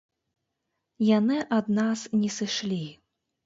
Яны ад нас не сышлі.